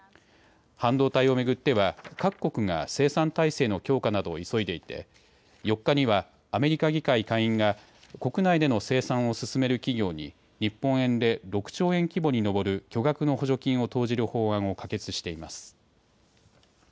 半導体を巡っては各国が生産体制の強化などを急いでいて４日にはアメリカ議会下院が国内での生産を進める企業に日本円で６兆円規模に上る巨額の補助金を投じる法案を可決しています。